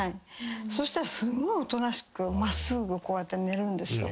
そしたらすんごいおとなしくこうやって寝るんですよ。